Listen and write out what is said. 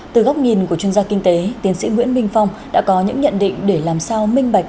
từ góc nhìn của chuyên gia kinh tế tiến sĩ nguyễn minh phong đã có những nhận định để làm sao minh bạch